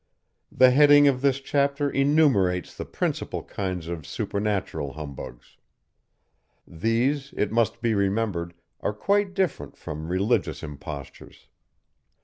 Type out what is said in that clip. The heading of this chapter enumerates the principal kinds of supernatural humbugs. These, it must be remembered, are quite different from religious impostures.